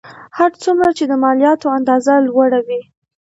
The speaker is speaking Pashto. هر څومره چې د مالیاتو اندازه لوړه وي